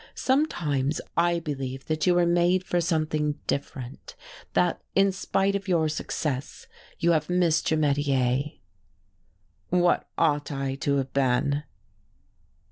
Sometimes I believe that you were made for something different, that in spite of your success you have missed your 'metier.'" "What ought I to have been?"